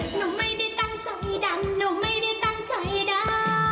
หนูไม่ได้ตั้งใจดันหนูไม่ได้ตั้งใจด้อ